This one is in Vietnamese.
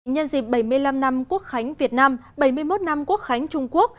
nhân dịp bảy mươi năm năm quốc khánh việt nam bảy mươi một năm quốc khánh trung quốc